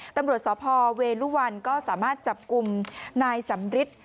ตำรวจสพเวลุวันก็สามารถจับกลุ่มนายสำริท